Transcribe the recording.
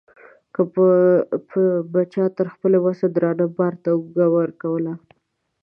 که به چا تر خپل وس درانه بار ته اوږه ورکوله.